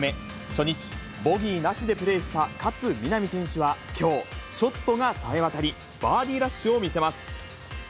初日、ボギーなしでプレーした勝みなみ選手はきょう、ショットがさえ渡り、バーディーラッシュを見せます。